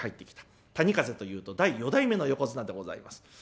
谷風というと第四代目の横綱でございます。